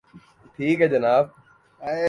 ٹھیک ہے جناب